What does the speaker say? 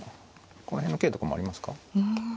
この辺の桂とかもありますか。